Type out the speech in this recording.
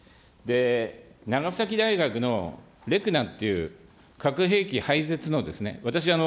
長崎大学のレクナっていう核兵器廃絶のですね、私、